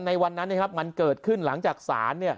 ในวันนั้นนะครับมันเกิดขึ้นหลังจากศาล